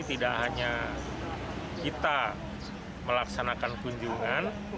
tidak hanya kita melaksanakan kunjungan